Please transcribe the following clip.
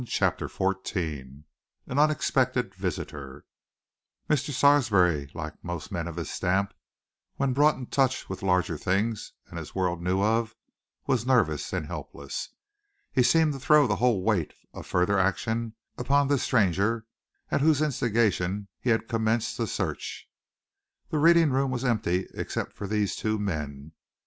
CHAPTER XIV AN UNEXPECTED VISITOR Mr. Sarsby, like most men of his stamp, when brought in touch with larger things than his world knew of, was nervous and helpless. He seemed to throw the whole weight of further action upon this stranger at whose instigation he had commenced the search. The reading room was empty except for these two men.